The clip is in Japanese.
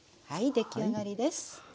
出来上がりです。